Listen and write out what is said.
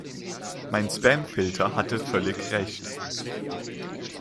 Mein Spamfilter hatte völlig recht.